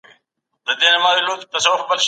رسنۍ د خلګو ږغ تر چارواکو رسوي.